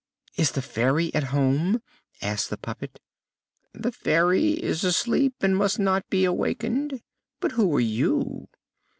"Is the Fairy at home?" asked the puppet. "The Fairy is asleep and must not be awakened; but who are you?"